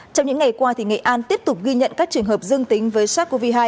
trong những ngày qua nghệ an tiếp tục ghi nhận các trường hợp dương tính với sars cov hai